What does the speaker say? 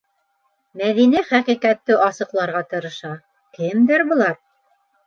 Мәҙинә хәҡиҡәтте асыҡларға тырыша: кемдәр былар?